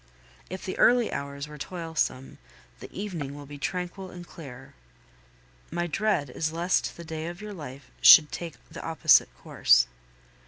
If the early hours were toilsome, the evening will be tranquil and clear. My dread is lest the day of your life should take the opposite course.